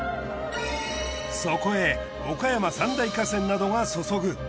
そこへ岡山３大河川などが注ぐ。